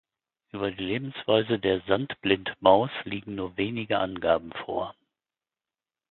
Über die Lebensweise der Sandblindmaus liegen nur wenige Angaben vor.